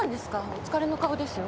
お疲れの顔ですよ。